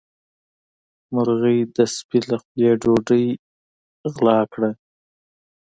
مرغۍ د سپي له خولې ډوډۍ وغلا کړه.